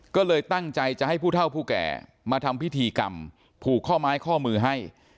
ก็เลยตั้งใจจะให้ผู้เท่าผู้แก่มาทำพิธีกรรมผูกข้อไม้ข้อมือให้